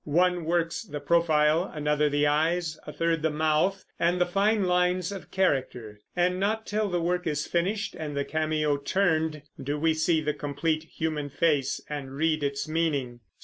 One works the profile, another the eyes, a third the mouth and the fine lines of character; and not till the work is finished, and the cameo turned, do we see the complete human face and read its meaning.